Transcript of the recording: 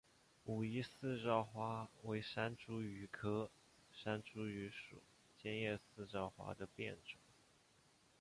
武夷四照花为山茱萸科山茱萸属尖叶四照花的变种。